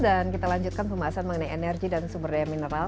dan kita lanjutkan pembahasan mengenai energi dan sumber daya mineral